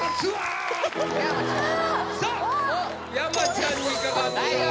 さあ山ちゃんにかかっております